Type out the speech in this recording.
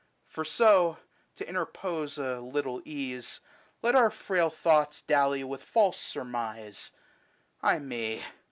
For so, to interpose a little ease, Let our frail thoughts dally with false surmise, Ay me